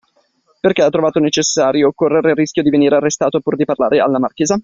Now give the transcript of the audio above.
Perché ha trovato necessario correre il rischio di venire arrestato, pur di parlare alla marchesa?